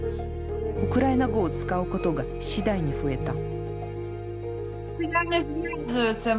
ウクライナ語を使うことが次第に増えた。